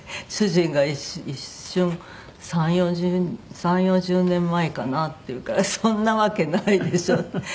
主人が一瞬「３０４０年前かな？」って言うからそんなわけないでしょって。